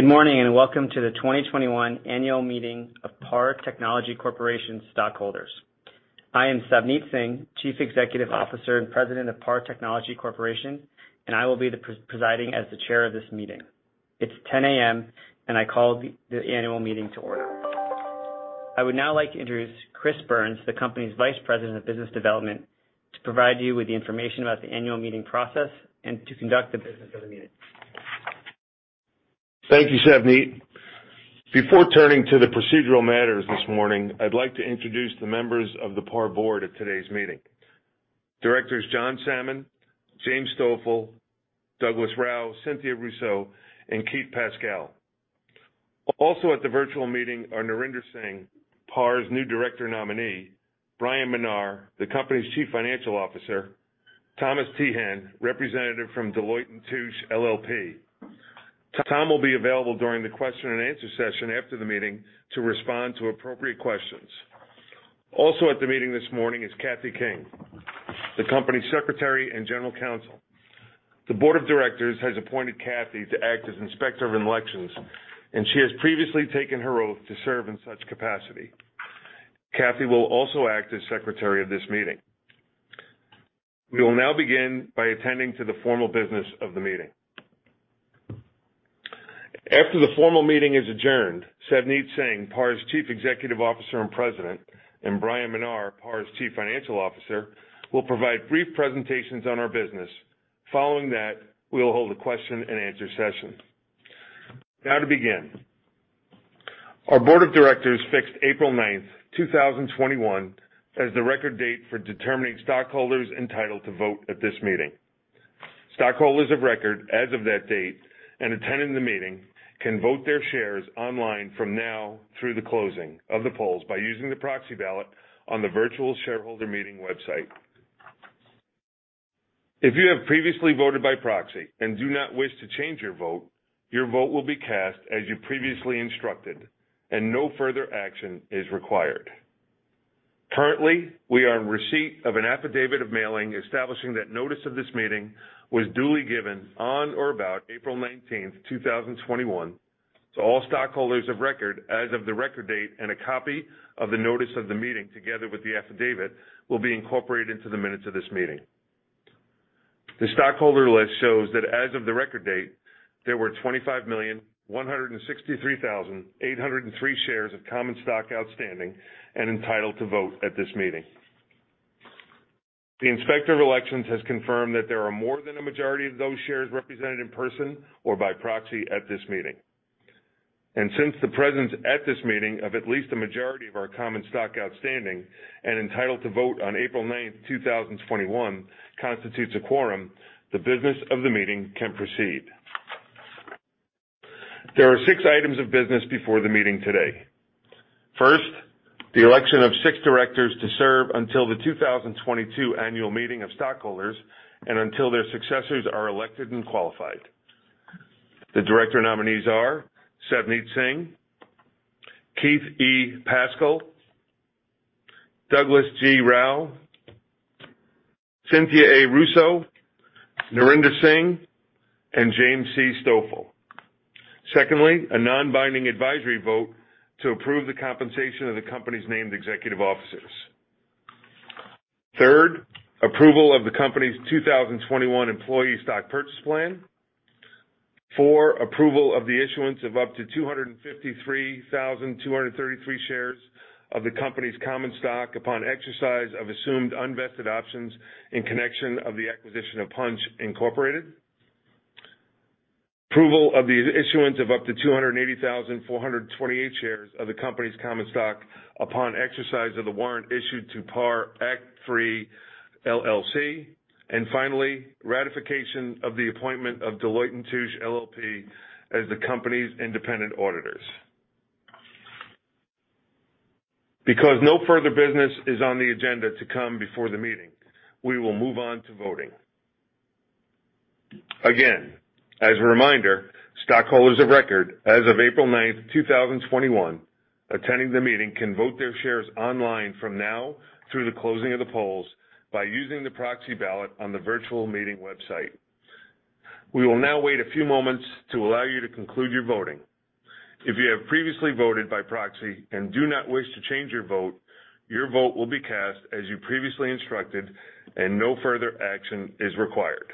Good morning and welcome to the 2021 Annual Meeting of PAR Technology Corporation's stockholders. I am Savneet Singh, Chief Executive Officer and President of PAR Technology Corporation, and I will be presiding as the Chair of this meeting. It's 10:00 A.M., and I call the Annual Meeting to order. I would now like to introduce Chris Byrnes, the Company's Vice President of Business Development, to provide you with the information about the Annual Meeting process and to conduct the business of the meeting. Thank you, Savneet. Before turning to the procedural matters this morning, I'd like to introduce the members of the PAR Board at today's meeting: Directors John Sammon, James Stoffel, Douglas Rauch, Cynthia Russo, and Keith Pascal. Also at the virtual meeting are Narinder Singh, PAR's new Director Nominee; Bryan Menar, the Company's Chief Financial Officer; Thomas Teehan, Representative from Deloitte & Touche, LLP. Tom will be available during the question-and-answer session after the meeting to respond to appropriate questions. Also at the meeting this morning is Cathy King, the Company's Secretary and General Counsel. The Board of Directors has appointed Cathy to act as Inspector of Elections, and she has previously taken her oath to serve in such capacity. Cathy will also act as Secretary of this meeting. We will now begin by attending to the formal business of the meeting. After the formal meeting is adjourned, Savneet Singh, PAR's Chief Executive Officer and President, and Bryan Menar, PAR's Chief Financial Officer, will provide brief presentations on our business. Following that, we will hold a question-and-answer session. Now to begin. Our Board of Directors fixed April 9th, 2021, as the record date for determining stockholders entitled to vote at this meeting. Stockholders of record as of that date and attending the meeting can vote their shares online from now through the closing of the polls by using the proxy ballot on the virtual shareholder meeting website. If you have previously voted by proxy and do not wish to change your vote, your vote will be cast as you previously instructed, and no further action is required. Currently, we are in receipt of an affidavit of mailing establishing that notice of this meeting was duly given on or about April 19th, 2021, to all stockholders of record as of the record date, and a copy of the notice of the meeting together with the affidavit will be incorporated into the minutes of this meeting. The stockholder list shows that as of the record date, there were 25,163,803 shares of common stock outstanding and entitled to vote at this meeting. The Inspector of Elections has confirmed that there are more than a majority of those shares represented in person or by proxy at this meeting. Since the presence at this meeting of at least a majority of our common stock outstanding and entitled to vote on April 9th, 2021, constitutes a quorum, the business of the meeting can proceed. There are six items of business before the meeting today. First, the election of six directors to serve until the 2022 Annual Meeting of Stockholders and until their successors are elected and qualified. The Director Nominees are Savneet Singh, Keith E. Pascal, Douglas G. Rauch, Cynthia A. Russo, Narinder Singh, and James C. Stoffel. Secondly, a non-binding advisory vote to approve the compensation of the Company's named executive officers. Third, approval of the Company's 2021 Employee Stock Purchase Plan. Four, approval of the issuance of up to 253,233 shares of the Company's common stock upon exercise of assumed unvested options in connection of the acquisition of Punchh, Incorporated. Approval of the issuance of up to 280,428 shares of the Company's common stock upon exercise of the warrant issued to PAR Act III, LLC. Finally, ratification of the appointment of Deloitte & Touche, LLP as the Company's independent auditors. Because no further business is on the agenda to come before the meeting, we will move on to voting. Again, as a reminder, stockholders of record as of April 9th, 2021, attending the meeting can vote their shares online from now through the closing of the polls by using the proxy ballot on the virtual meeting website. We will now wait a few moments to allow you to conclude your voting. If you have previously voted by proxy and do not wish to change your vote, your vote will be cast as you previously instructed, and no further action is required.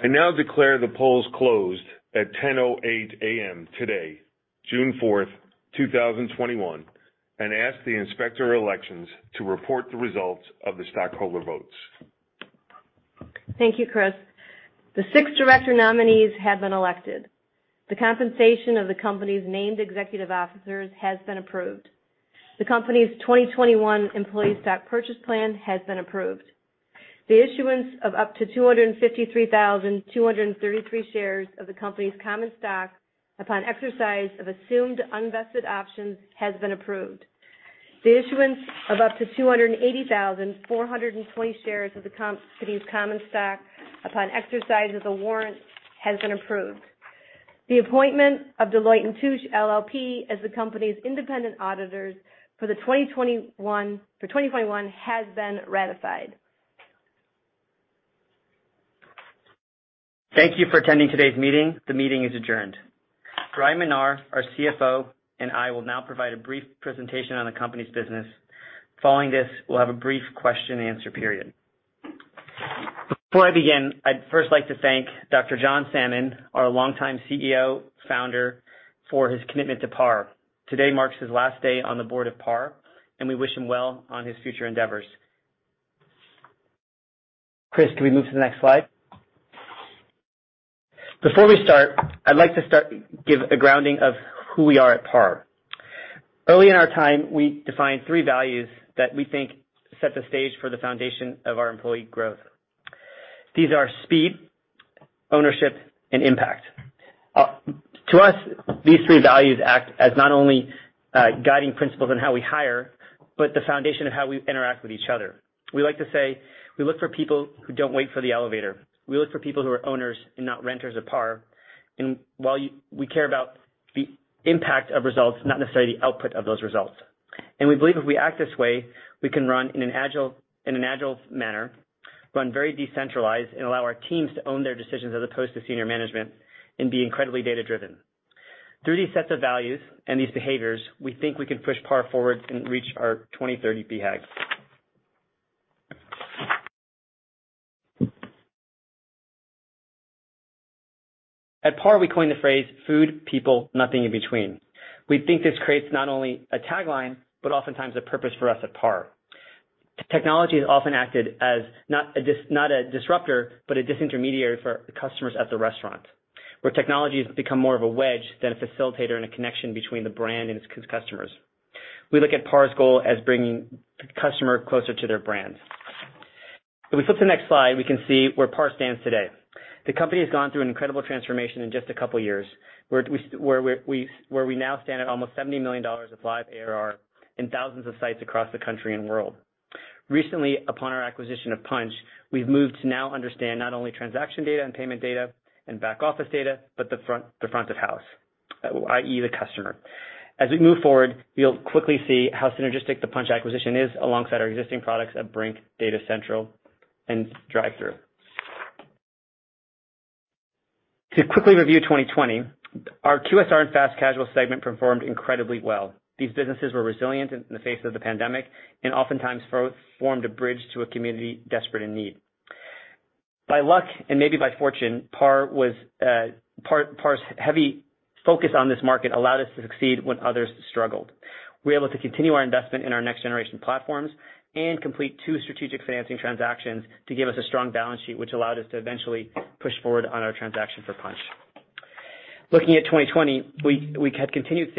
I now declare the polls closed at 10:08 A.M. today, June 4th, 2021, and ask the Inspector of Elections to report the results of the stockholder votes. Thank you, Chris. The six Director Nominees have been elected. The compensation of the Company's named executive officers has been approved. The Company's 2021 Employee Stock Purchase Plan has been approved. The issuance of up to 253,233 shares of the Company's common stock upon exercise of assumed unvested options has been approved. The issuance of up to 280,420 shares of the Company's common stock upon exercise of the warrant has been approved. The appointment of Deloitte & Touche, LLP, as the Company's independent auditors for 2021 has been ratified. Thank you for attending today's meeting. The meeting is adjourned. Bryan Menar, our CFO, and I will now provide a brief presentation on the Company's business. Following this, we'll have a brief question-and-answer period. Before I begin, I'd first like to thank Dr. John Sammon, our longtime CEO, Founder, for his commitment to PAR. Today marks his last day on the board of PAR, and we wish him well on his future endeavors. Chris, can we move to the next slide? Before we start, I'd like to give a grounding of who we are at PAR. Early in our time, we defined three values that we think set the stage for the foundation of our employee growth. These are speed, ownership, and impact. To us, these three values act as not only guiding principles in how we hire, but the foundation of how we interact with each other. We like to say we look for people who don't wait for the elevator. We look for people who are owners and not renters of PAR. While we care about the impact of results, not necessarily the output of those results. We believe if we act this way, we can run in an agile manner, run very decentralized, and allow our teams to own their decisions as opposed to senior management and be incredibly data-driven. Through these sets of values and these behaviors, we think we can push PAR forward and reach our 2030 BHAG. At PAR, we coined the phrase "food, people, nothing in between." We think this creates not only a tagline, but oftentimes a purpose for us at PAR. Technology is often acted as not a disruptor, but a disintermediary for customers at the restaurant, where technology has become more of a wedge than a facilitator and a connection between the brand and its customers. We look at PAR's goal as bringing the customer closer to their brand. If we flip to the next slide, we can see where PAR stands today. The Company has gone through an incredible transformation in just a couple of years, where we now stand at almost $70 million of live ARR in thousands of sites across the country and world. Recently, upon our acquisition of Punchh, we've moved to now understand not only transaction data and payment data and back office data, but the front of house, i.e., the customer. As we move forward, you'll quickly see how synergistic the Punchh acquisition is alongside our existing products at Brink, Data Central, and Drive-Thru. To quickly review 2020, our QSR and Fast Casual segment performed incredibly well. These businesses were resilient in the face of the pandemic and oftentimes formed a bridge to a community desperate in need. By luck and maybe by fortune, PAR's heavy focus on this market allowed us to succeed when others struggled. We were able to continue our investment in our next-generation platforms and complete two strategic financing transactions to give us a strong balance sheet, which allowed us to eventually push forward on our transaction for Punchh. Looking at 2020, we had continued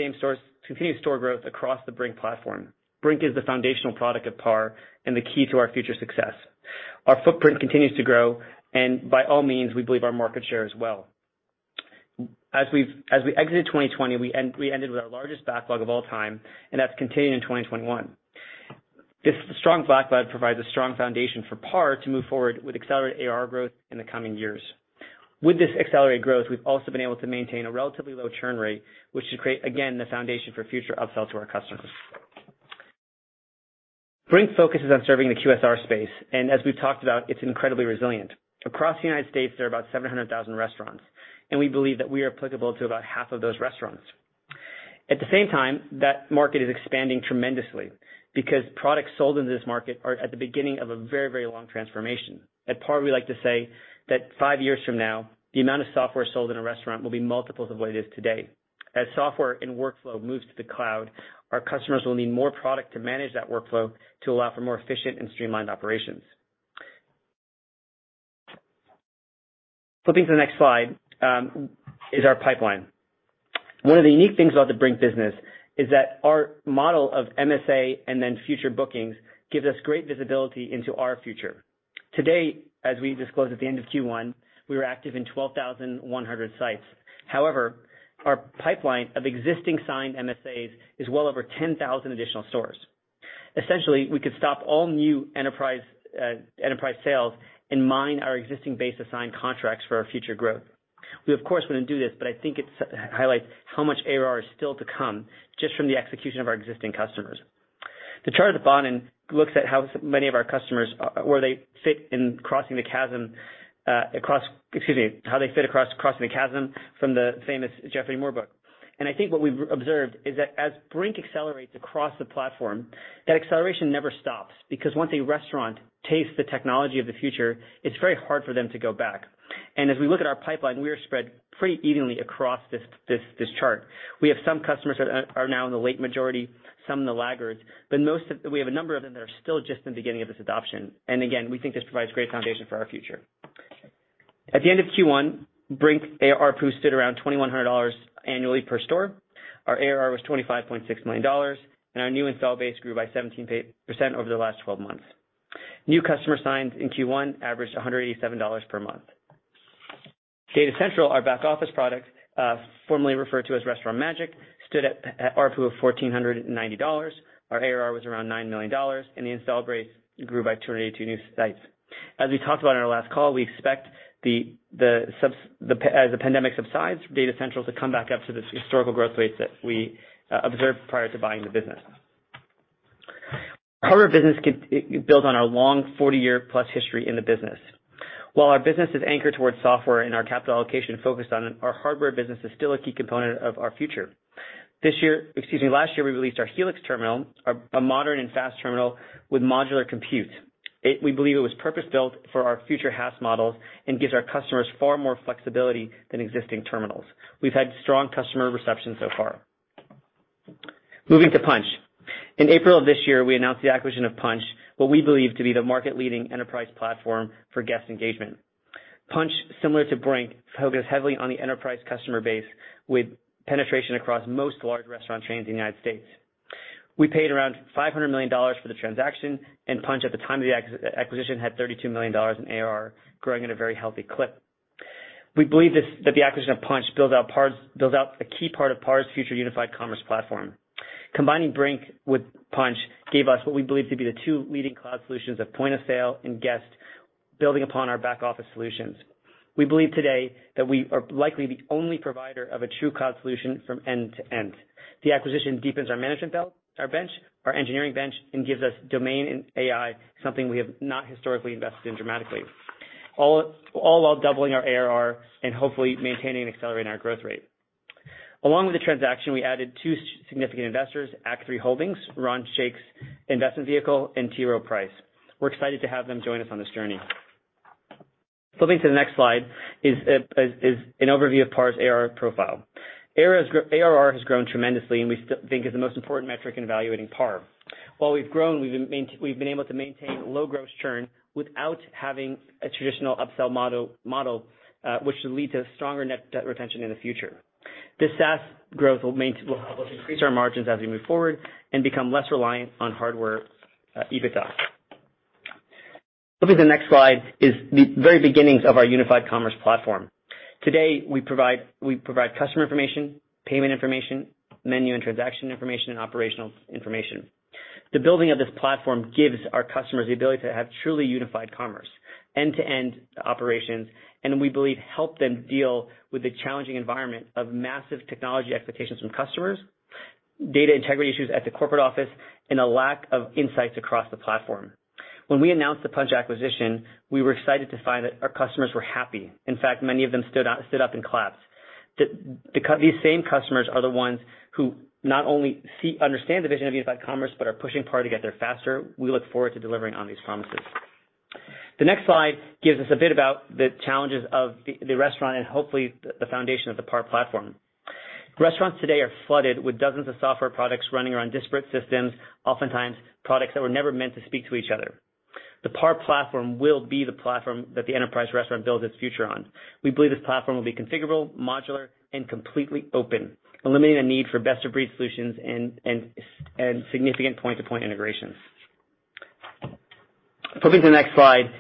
store growth across the Brink platform. Brink is the foundational product of PAR and the key to our future success. Our footprint continues to grow, and by all means, we believe our market share as well. As we exited 2020, we ended with our largest backlog of all time, and that's continued in 2021. This strong backlog provides a strong foundation for PAR to move forward with accelerated ARR growth in the coming years. With this accelerated growth, we've also been able to maintain a relatively low churn rate, which should create, again, the foundation for future upsells to our customers. Brink focuses on serving the QSR space, and as we've talked about, it's incredibly resilient. Across the U.S., there are about 700,000 restaurants, and we believe that we are applicable to about half of those restaurants. At the same time, that market is expanding tremendously because products sold into this market are at the beginning of a very, very long transformation. At PAR, we like to say that five years from now, the amount of software sold in a restaurant will be multiples of what it is today. As software and workflow moves to the cloud, our customers will need more product to manage that workflow to allow for more efficient and streamlined operations. Flipping to the next slide is our pipeline. One of the unique things about the Brink business is that our model of MSA and then future bookings gives us great visibility into our future. Today, as we disclose at the end of Q1, we were active in 12,100 sites. However, our pipeline of existing signed MSAs is well over 10,000 additional stores. Essentially, we could stop all new enterprise sales and mine our existing base assigned contracts for our future growth. We, of course, would not do this, but I think it highlights how much ARR is still to come just from the execution of our existing customers. The chart at the bottom looks at how many of our customers fit in Crossing the Chasm—excuse me—how they fit across Crossing the Chasm from the famous Geoffrey Moore book. I think what we've observed is that as Brink accelerates across the platform, that acceleration never stops because once a restaurant tastes the technology of the future, it's very hard for them to go back. As we look at our pipeline, we are spread pretty evenly across this chart. We have some customers that are now in the late majority, some in the laggards, but we have a number of them that are still just in the beginning of this adoption. Again, we think this provides great foundation for our future. At the end of Q1, Brink ARR posted around $2,100 annually per store. Our ARR was $25.6 million, and our new install base grew by 17% over the last 12 months. New customer signs in Q1 averaged $187 per month. Data Central, our back office product, formerly referred to as Restaurant Magic, stood at ARPU of $1,490. Our ARR was around $9 million, and the install base grew by 282 new sites. As we talked about in our last call, we expect that as the pandemic subsides, Data Central to come back up to the historical growth rates that we observed prior to buying the business. Our business can build on our long 40+ years history in the business. While our business is anchored towards software and our capital allocation focused on our hardware business is still a key component of our future. This year, excuse me, last year, we released our Helix terminal, a modern and fast terminal with modular compute. We believe it was purpose-built for our future HaaS models and gives our customers far more flexibility than existing terminals. We've had strong customer reception so far. Moving to Punchh. In April of this year, we announced the acquisition of Punchh, what we believe to be the market-leading enterprise platform for guest engagement. Punchh, similar to Brink, focused heavily on the enterprise customer base with penetration across most large restaurant chains in the United States. We paid around $500 million for the transaction, and Punchh at the time of the acquisition had $32 million in ARR, growing at a very healthy clip. We believe that the acquisition of Punchh builds out a key part of PAR's future unified commerce platform. Combining Brink with Punchh gave us what we believe to be the two leading cloud solutions of point of sale and guest, building upon our back office solutions. We believe today that we are likely the only provider of a true cloud solution from end to end. The acquisition deepens our management bench, our engineering bench, and gives us domain and AI, something we have not historically invested in dramatically, all while doubling our ARR and hopefully maintaining and accelerating our growth rate. Along with the transaction, we added two significant investors, Act III Holdings, Ron Shaich's investment vehicle, and T. Rowe Price. We're excited to have them join us on this journey. Flipping to the next slide is an overview of PAR's ARR profile. ARR has grown tremendously, and we think is the most important metric in evaluating PAR. While we've grown, we've been able to maintain low gross churn without having a traditional upsell model, which will lead to stronger net retention in the future. This SaaS growth will help us increase our margins as we move forward and become less reliant on hardware EBITDA. Moving to the next slide is the very beginnings of our unified commerce platform. Today, we provide customer information, payment information, menu and transaction information, and operational information. The building of this platform gives our customers the ability to have truly unified commerce, end-to-end operations, and we believe help them deal with the challenging environment of massive technology expectations from customers, data integrity issues at the corporate office, and a lack of insights across the platform. When we announced the Punchh acquisition, we were excited to find that our customers were happy. In fact, many of them stood up and clapped. These same customers are the ones who not only understand the vision of unified commerce but are pushing PAR to get there faster. We look forward to delivering on these promises. The next slide gives us a bit about the challenges of the restaurant and hopefully the foundation of the PAR platform. Restaurants today are flooded with dozens of software products running around disparate systems, oftentimes products that were never meant to speak to each other. The PAR platform will be the platform that the enterprise restaurant builds its future on. We believe this platform will be configurable, modular, and completely open, eliminating the need for best-of-breed solutions and significant point-to-point integrations. Flipping to the next slide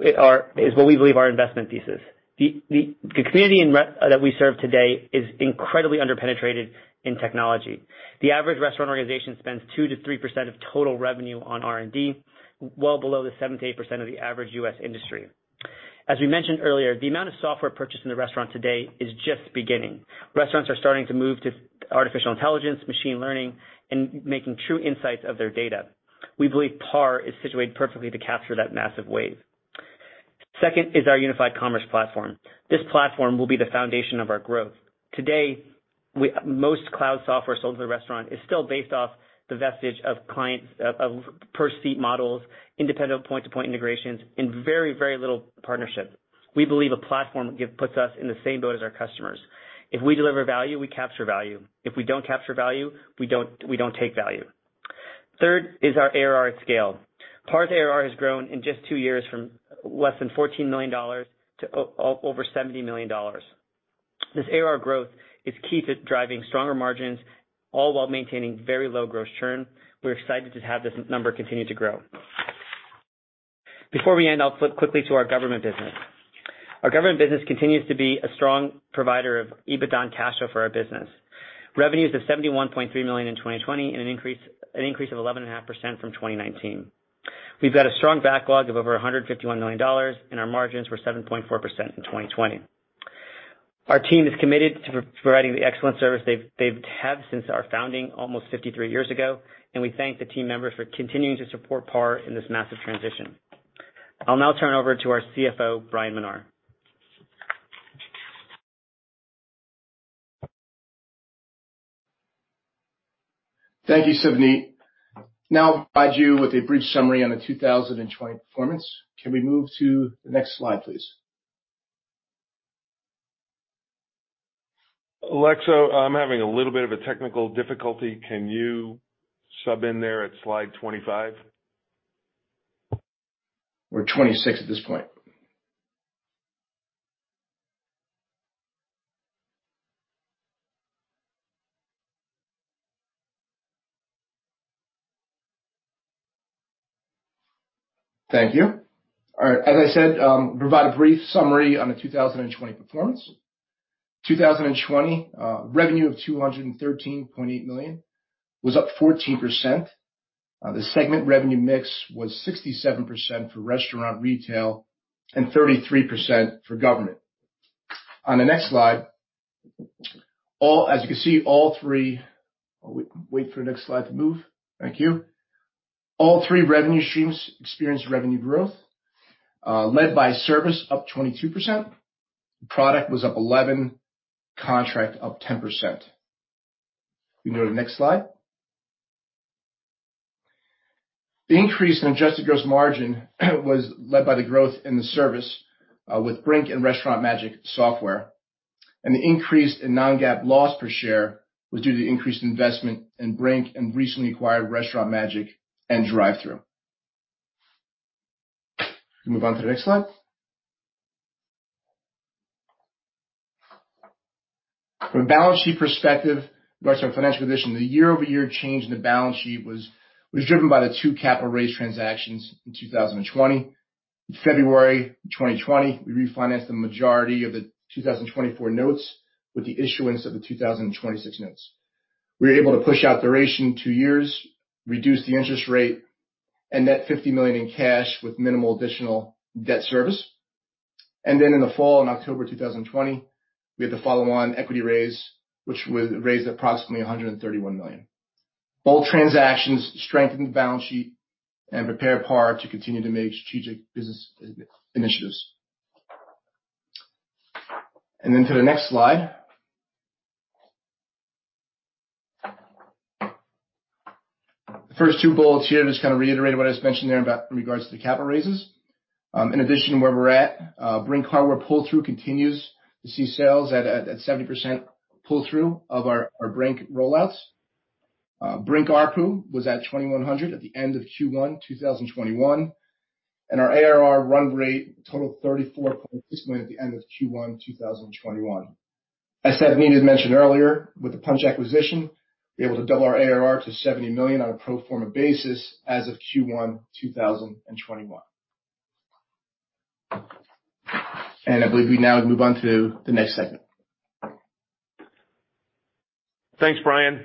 is what we believe our investment thesis is. The community that we serve today is incredibly underpenetrated in technology. The average restaurant organization spends 2%-3% of total revenue on R&D, well below the 7%-8% of the average U.S. industry. As we mentioned earlier, the amount of software purchased in the restaurant today is just beginning. Restaurants are starting to move to artificial intelligence, machine learning, and making true insights of their data. We believe PAR is situated perfectly to capture that massive wave. Second is our unified commerce platform. This platform will be the foundation of our growth. Today, most cloud software sold to the restaurant is still based off the vestige of per-seat models, independent point-to-point integrations, and very, very little partnership. We believe a platform puts us in the same boat as our customers. If we deliver value, we capture value. If we do not capture value, we do not take value. Third is our ARR at scale. PAR's ARR has grown in just two years from less than $14 million to over $70 million. This ARR growth is key to driving stronger margins, all while maintaining very low gross churn. We're excited to have this number continue to grow. Before we end, I'll flip quickly to our government business. Our government business continues to be a strong provider of EBITDA and cash flow for our business, revenues of $71.3 million in 2020 and an increase of 11.5% from 2019. We've got a strong backlog of over $151 million, and our margins were 7.4% in 2020. Our team is committed to providing the excellent service they've had since our founding almost 53 years ago, and we thank the team members for continuing to support PAR in this massive transition. I'll now turn it over to our CFO, Bryan Menar. Thank you, Savneet. Now, I'll provide you with a brief summary on the 2020 performance. Can we move to the next slide, please? Alexa, I'm having a little bit of a technical difficulty. Can you sub in there at slide 25? We're 26 at this point. Thank you. All right. As I said, we provide a brief summary on the 2020 performance. 2020 revenue of $213.8 million was up 14%. The segment revenue mix was 67% for restaurant retail and 33% for government. On the next slide, as you can see, all three—wait for the next slide to move. Thank you. All three revenue streams experienced revenue growth, led by service up 22%. Product was up 11%, contract up 10%. We can go to the next slide. The increase in adjusted gross margin was led by the growth in the service with Brink and Restaurant Magic software. The increase in non-GAAP loss per share was due to the increased investment in Brink and recently acquired Restaurant Magic and Drive-Thru. We can move on to the next slide. From a balance sheet perspective, regards to our financial position, the year-over-year change in the balance sheet was driven by the two capital raise transactions in 2020. In February 2020, we refinanced the majority of the 2024 notes with the issuance of the 2026 notes. We were able to push out duration two years, reduce the interest rate, and net $50 million in cash with minimal additional debt service. In the fall, in October 2020, we had the follow-on equity raise, which raised approximately $131 million. Both transactions strengthened the balance sheet and prepared PAR to continue to make strategic business initiatives. To the next slide. The first two bullets here just kind of reiterate what I just mentioned there in regards to the capital raises. In addition to where we're at, Brink hardware pull-through continues to see sales at 70% pull-through of our Brink rollouts. Brink RPU was at $2,100 at the end of Q1 2021. Our ARR run rate totaled $34.6 million at the end of Q1 2021. As Savneet mentioned earlier, with the Punchh acquisition, we were able to double our ARR to $70 million on a pro forma basis as of Q1 2021. I believe we now move on to the next segment. Thanks, Bryan.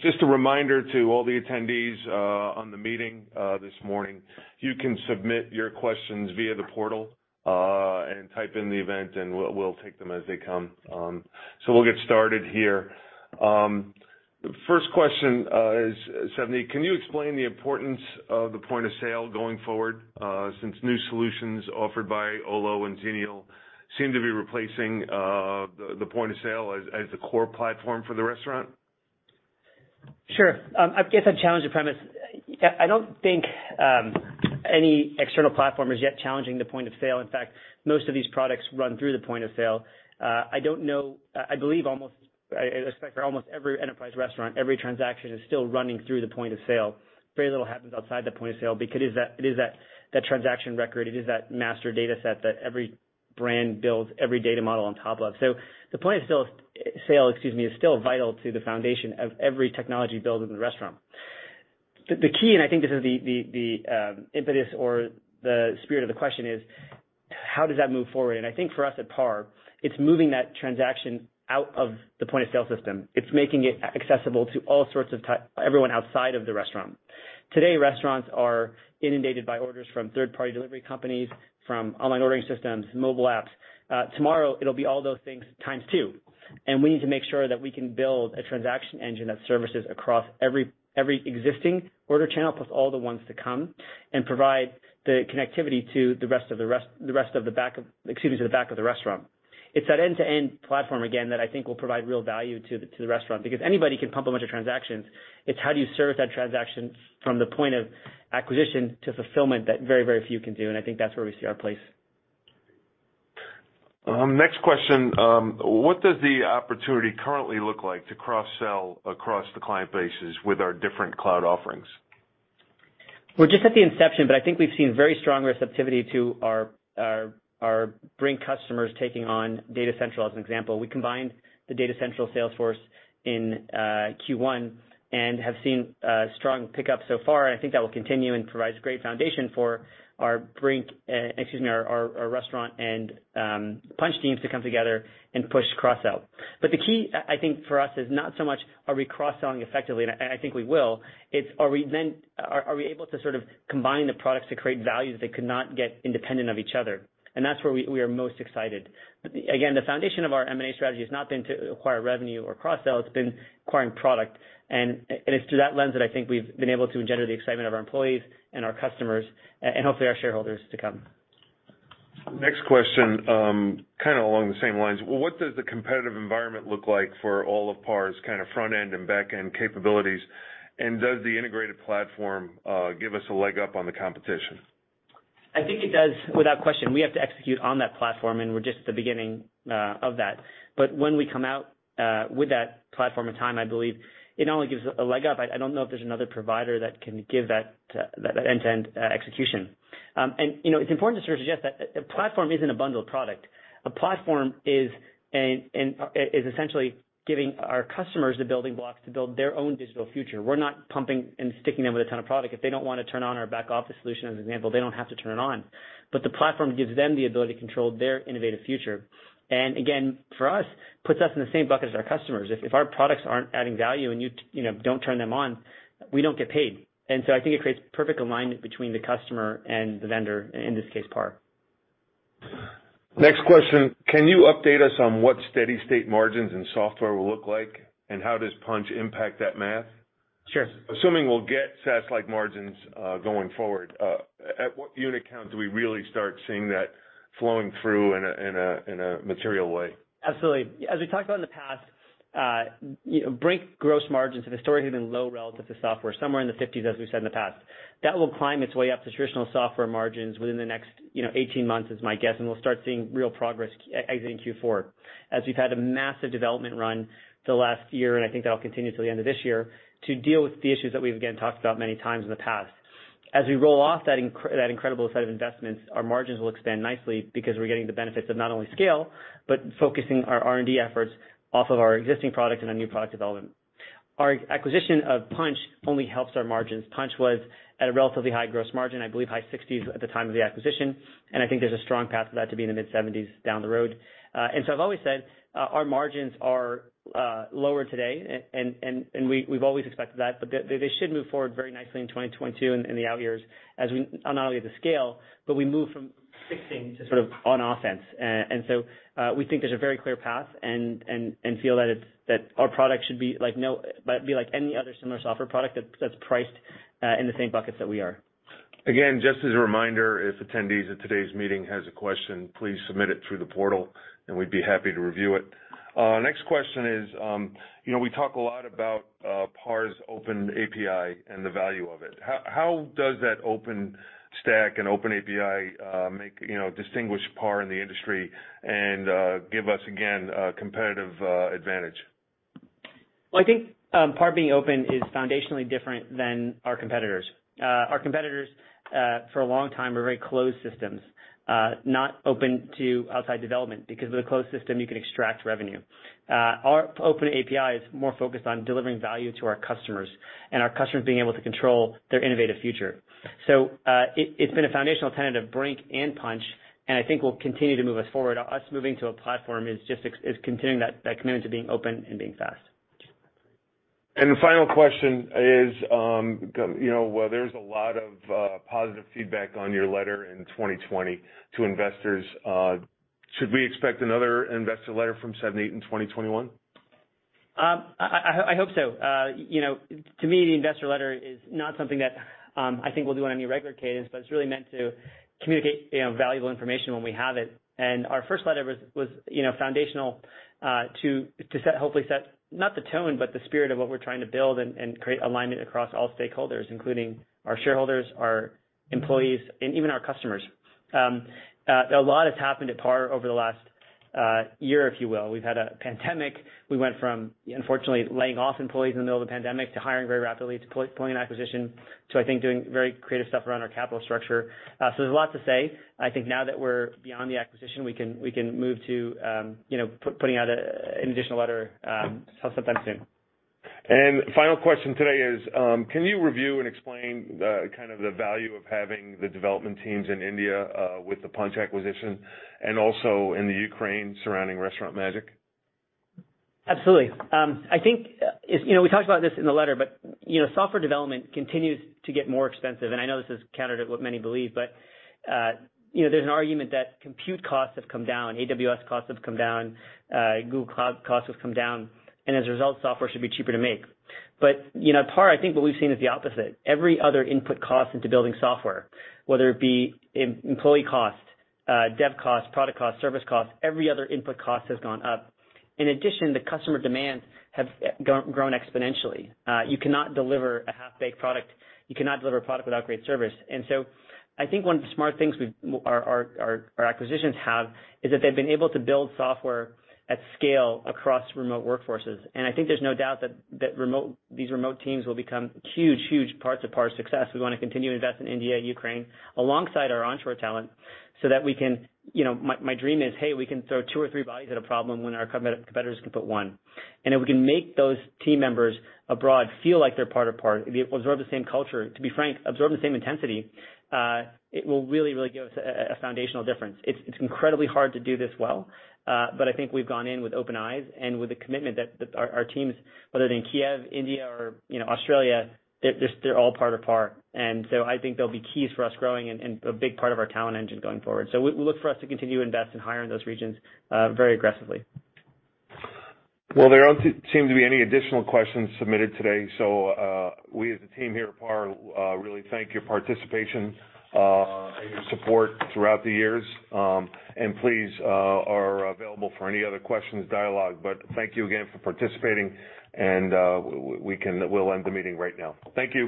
Just a reminder to all the attendees on the meeting this morning, you can submit your questions via the portal and type in the event, and we'll take them as they come. We'll get started here. First question is, Savneet, can you explain the importance of the point of sale going forward since new solutions offered by Olo and Xenial seem to be replacing the point of sale as the core platform for the restaurant? Sure. I guess I'd challenge the premise. I don't think any external platform is yet challenging the point of sale. In fact, most of these products run through the point of sale. I believe almost—I expect for almost every enterprise restaurant, every transaction is still running through the point of sale. Very little happens outside the point of sale because it is that transaction record. It is that master data set that every brand builds every data model on top of. The point of sale, excuse me, is still vital to the foundation of every technology built in the restaurant. The key—and I think this is the impetus or the spirit of the question—is how does that move forward? I think for us at PAR, it's moving that transaction out of the point of sale system. It's making it accessible to everyone outside of the restaurant. Today, restaurants are inundated by orders from third-party delivery companies, from online ordering systems, mobile apps. Tomorrow, it'll be all those things times two. We need to make sure that we can build a transaction engine that services across every existing order channel plus all the ones to come and provide the connectivity to the rest of the back of—excuse me—to the back of the restaurant. It's that end-to-end platform, again, that I think will provide real value to the restaurant because anybody can pump a bunch of transactions. It's how do you serve that transaction from the point of acquisition to fulfillment that very, very few can do. I think that's where we see our place. Next question. What does the opportunity currently look like to cross-sell across the client bases with our different cloud offerings? We're just at the inception, but I think we've seen very strong receptivity to our Brink customers taking on Data Central as an example. We combined the Data Central sales force in Q1 and have seen strong pickup so far. I think that will continue and provides great foundation for our Brink—excuse me—our restaurant and Punchh teams to come together and push cross-sell. The key, I think, for us is not so much are we cross-selling effectively? I think we will. It's are we able to sort of combine the products to create value that they could not get independent of each other? That's where we are most excited. Again, the foundation of our M&A strategy has not been to acquire revenue or cross-sell. It's been acquiring product. It's through that lens that I think we've been able to engender the excitement of our employees and our customers and hopefully our shareholders to come. Next question, kind of along the same lines. What does the competitive environment look like for all of PAR's kind of front-end and back-end capabilities? Does the integrated platform give us a leg up on the competition? I think it does without question. We have to execute on that platform, and we're just at the beginning of that. When we come out with that platform in time, I believe it only gives a leg up. I do not know if there is another provider that can give that end-to-end execution. It is important to sort of suggest that a platform is not a bundled product. A platform is essentially giving our customers the building blocks to build their own digital future. We are not pumping and sticking them with a ton of product. If they do not want to turn on our back-office solution, as an example, they do not have to turn it on. The platform gives them the ability to control their innovative future. Again, for us, it puts us in the same bucket as our customers. If our products are not adding value and you do not turn them on, we do not get paid. I think it creates perfect alignment between the customer and the vendor, in this case, PAR. Next question. Can you update us on what steady-state margins in software will look like? And how does Punchh impact that math? Sure. Assuming we'll get SaaS-like margins going forward, at what unit count do we really start seeing that flowing through in a material way? Absolutely. As we talked about in the past, Brink gross margins have historically been low relative to software, somewhere in the 50s, as we've said in the past. That will climb its way up to traditional software margins within the next 18 months, is my guess, and we'll start seeing real progress exiting Q4. As we've had a massive development run the last year, and I think that'll continue until the end of this year, to deal with the issues that we've, again, talked about many times in the past. As we roll off that incredible set of investments, our margins will expand nicely because we're getting the benefits of not only scale, but focusing our R&D efforts off of our existing products and our new product development. Our acquisition of Punchh only helps our margins. Punchh was at a relatively high gross margin, I believe high 60% at the time of the acquisition, and I think there's a strong path for that to be in the mid-70% down the road. I've always said our margins are lower today, and we've always expected that, but they should move forward very nicely in 2022 and the out years as we not only have the scale, but we move from fixing to sort of on-offense. We think there's a very clear path and feel that our product should be like any other similar software product that's priced in the same buckets that we are. Again, just as a reminder, if attendees at today's meeting have a question, please submit it through the portal, and we'd be happy to review it. Next question is, we talk a lot about PAR's open API and the value of it. How does that open stack and open API distinguish PAR in the industry and give us, again, a competitive advantage? I think PAR being open is foundationally different than our competitors. Our competitors, for a long time, were very closed systems, not open to outside development because with a closed system, you can extract revenue. Our open API is more focused on delivering value to our customers and our customers being able to control their innovative future. It has been a foundational tenet of Brink and Punchh, and I think will continue to move us forward. Us moving to a platform is just continuing that commitment to being open and being fast. The final question is, there is a lot of positive feedback on your letter in 2020 to investors. Should we expect another investor letter from Savneet in 2021? I hope so. To me, the investor letter is not something that I think we'll do on any regular cadence, but it is really meant to communicate valuable information when we have it. Our first letter was foundational to hopefully set not the tone, but the spirit of what we're trying to build and create alignment across all stakeholders, including our shareholders, our employees, and even our customers. A lot has happened at PAR over the last year, if you will. We've had a pandemic. We went from, unfortunately, laying off employees in the middle of the pandemic to hiring very rapidly, to pulling an acquisition, to, I think, doing very creative stuff around our capital structure. There is a lot to say. I think now that we're beyond the acquisition, we can move to putting out an additional letter sometime soon. The final question today is, can you review and explain kind of the value of having the development teams in India with the Punchh acquisition and also in Ukraine surrounding Restaurant Magic? Absolutely. I think we talked about this in the letter, but software development continues to get more expensive. I know this is counter to what many believe, but there's an argument that compute costs have come down, AWS costs have come down, Google Cloud costs have come down, and as a result, software should be cheaper to make. At PAR, I think what we've seen is the opposite. Every other input cost into building software, whether it be employee cost, dev cost, product cost, service cost, every other input cost has gone up. In addition, the customer demands have grown exponentially. You cannot deliver a half-baked product. You cannot deliver a product without great service. I think one of the smart things our acquisitions have is that they've been able to build software at scale across remote workforces. I think there's no doubt that these remote teams will become huge, huge parts of PAR's success. We want to continue to invest in India, Ukraine, alongside our onshore talent so that we can—my dream is, hey, we can throw two or three bodies at a problem when our competitors can put one. If we can make those team members abroad feel like they're part of PAR, absorb the same culture, to be frank, absorb the same intensity, it will really, really give us a foundational difference. It's incredibly hard to do this well, but I think we've gone in with open eyes and with the commitment that our teams, whether they're in Kiev, India, or Australia, they're all part of PAR. I think they'll be keys for us growing and a big part of our talent engine going forward. We look for us to continue to invest and hire in those regions very aggressively. There do not seem to be any additional questions submitted today. We, as a team here at PAR, really thank your participation and your support throughout the years. Please, we are available for any other questions or dialogue. Thank you again for participating, and we will end the meeting right now. Thank you.